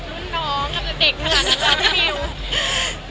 หรือเด็กทางน้องพี่มิว